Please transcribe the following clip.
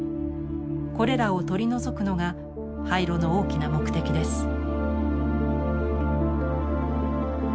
これらを取り除くのが廃炉の大きな目的です。